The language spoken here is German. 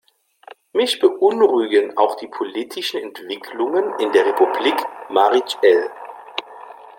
Mich beunruhigen auch die politischen Entwicklungen in der Republik Marij El.